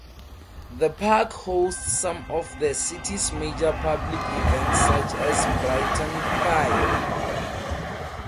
The park hosts some of the city's major public events such as Brighton Pride.